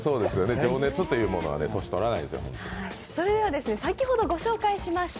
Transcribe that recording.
情熱というものは年とらない。